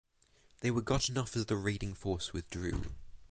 They were gotten off as the raiding force withdrew.